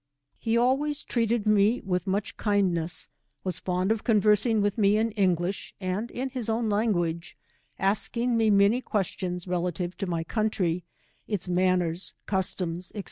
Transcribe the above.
He always treated me with much kindness. 163 was fond of conversing with rae in English and iu his own language, asking me many questions relative to my country, its manners, customs, &c.